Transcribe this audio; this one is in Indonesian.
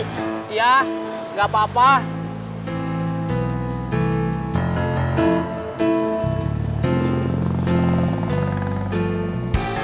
cuma lima menit mengapa pameren kami belum datang